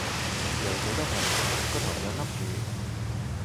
游水都係，個頭又笠住